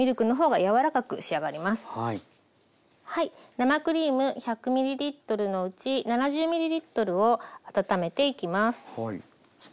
生クリーム１００ｍのうち７０ｍを温めていきます。